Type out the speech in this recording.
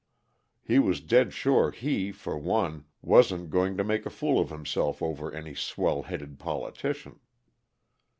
He was dead sure he, for one, wasn't going to make a fool of himself over any swell headed politician.